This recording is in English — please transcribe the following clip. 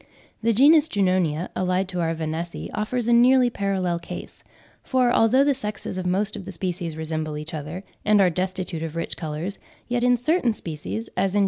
The genus Junonia, allied to our Vanessae, offers a nearly parallel case, for although the sexes of most of the species resemble each other, and are destitute of rich colours, yet in certain species, as in J.